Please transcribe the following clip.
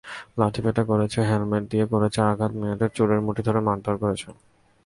লাঠিপেটা করেছে, হেলমেট দিয়ে করেছে আঘাত, মেয়েদের চুলের মুঠি ধরে মারধর করেছে।